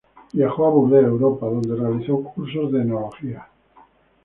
Viajó a Burdeos Europa, donde realizó cursos de enología.